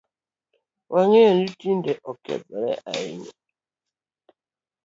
Wangayoo ni tinde okethoree ahinya